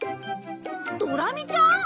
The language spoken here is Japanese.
ドラミちゃん！？